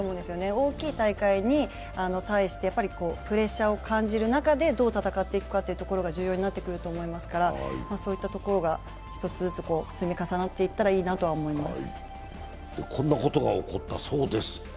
大きい大会に対してプレッシャーを感じる中でどう戦っていくかというところが重要になっていくかと思いますからそういったところが一つずつ積み重なっていったらいいと思います。